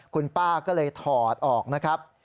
คุณป้าก็เลยถอดออกนะครับ